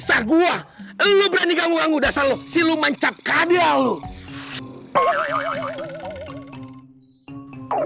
saya gua lo berani ganggu ganggu dasar lu silu mancap kadeh lu mau mau mau mau mau mau